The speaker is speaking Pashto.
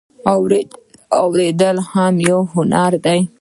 اوریدل هم یو هنر دی